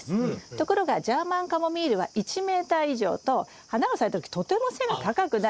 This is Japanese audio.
ところがジャーマンカモミールは１メーター以上と花が咲いた時とても背が高くなるんですよ。